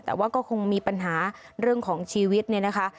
แต่ว่าก็คงมีปัญหาเรื่องของชีวิตเนี่ยนะคะ